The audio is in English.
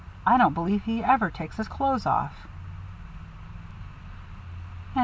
I don't believe he ever takes his clothes off."